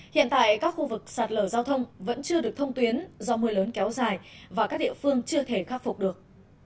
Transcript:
hiện tại các khu vực sạt lở giao thông vẫn chưa được thông tuyến do mưa lớn kéo dài và các địa phương chưa thể khắc phục được